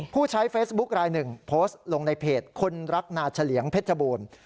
ผู้ใช้เฟซบุ๊คลายหนึ่งโพสต์ลงในเพจคนรักนาเฉลี่ยงเพชรบูรณ์